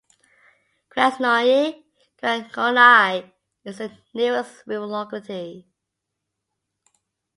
Krasnoye Podgoroneye is the nearest rural locality.